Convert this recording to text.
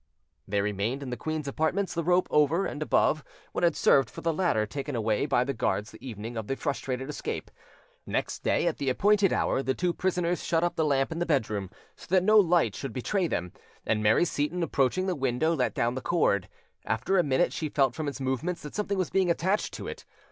There remained in the queen's apartments the rope over and above what had served for the ladder taken away by the guards the evening of the frustrated escape: next day, at the appointed hour, the two prisoners shut up the lamp in the bedroom, so that no light should betray them, and Mary Seyton, approaching the window, let down the cord. After a minute, she felt from its movements that something was being attached to it.